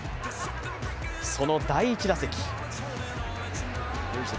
その第１打席。